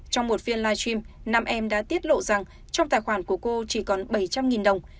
trong một phiên live stream năm em đã tiết lộ rằng trong tài khoản của cô chỉ còn bảy trăm linh đồng